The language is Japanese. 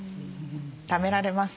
ためられます。